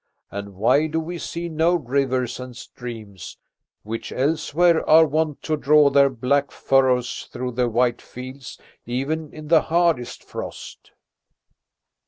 And why do we see no rivers and streams, which elsewhere are wont to draw their black furrows through the white fields even in the hardest frost?"